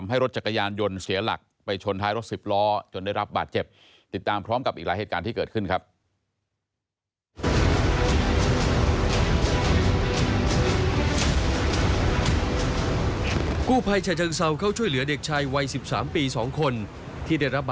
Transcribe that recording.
หลักไปชนท้ายรถ๑๐ล้อจนได้รับบาดเจ็บติดตามพร้อมกับอีกหลายเหตุการณ์ที่เกิดขึ้นครับ